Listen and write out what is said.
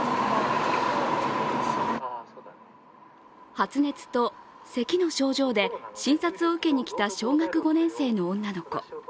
発熱とせきの症状で診察を受けにきた小学５年生の女の子。